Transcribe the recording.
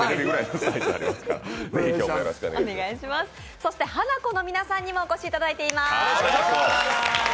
そして、ハナコの皆さんにもお越しいただいてます。